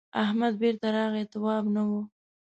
احمد بېرته راغی تواب نه و.